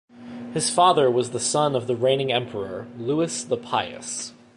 His father was the son of the reigning Emperor, Louis the Pious.